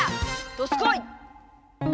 どすこい！